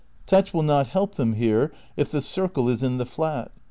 Touch, will not help them here, if the circle is in the flat.